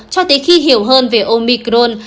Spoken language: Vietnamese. cho tới khi hiểu hơn về omicron